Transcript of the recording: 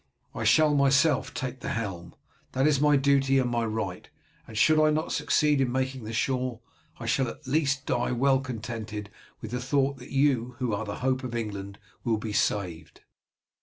I shall myself take the helm. That is my duty and my right, and should I not succeed in making the shore, I shall at least die well contented with the thought that you who are the hope of England will be saved."